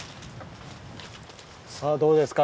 さあどうですか？